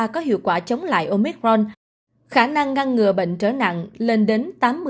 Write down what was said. có hiệu quả chống lại omicron khả năng ngăn ngừa bệnh trở nặng lên đến tám mươi